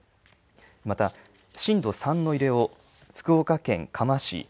また、震度３の揺れを、福岡県、嘉麻市。